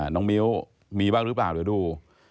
น้องมิ้วมีบ้างหรือเปล่าเดี๋ยวดู